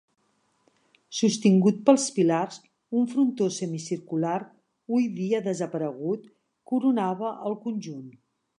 Sostingut pels pilars, un frontó semicircular, hui dia desaparegut, coronava el conjunt.